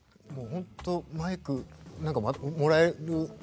もうほんとマイクもらえる